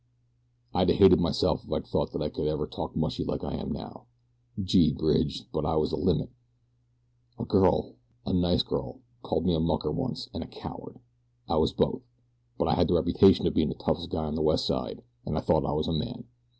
"I'd a hated myself if I'd thought that I could ever talk mushy like I am now. Gee, Bridge, but I was the limit! A girl a nice girl called me a mucker once, an' a coward. I was both; but I had the reputation of bein' the toughest guy on the West Side, an' I thought I was a man.